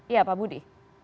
ya pak budi